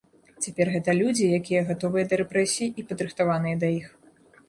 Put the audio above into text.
Цяпер гэта людзі, якія гатовыя да рэпрэсій і падрыхтаваная да іх.